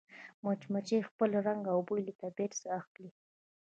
مچمچۍ خپل رنګ او بوی له طبیعته اخلي